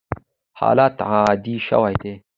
حالات عادي شوي دي.